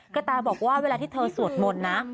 กระแตบอกว่าเวลาที่เธอสวดมนต์นะ